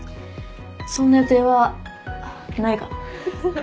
「そんな予定はないかな」